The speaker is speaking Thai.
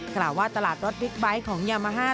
กล่าวว่าตลาดรถบิ๊กไบท์ของยามาฮ่า